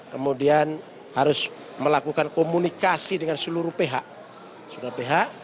kemudian harus melakukan komunikasi dengan seluruh ph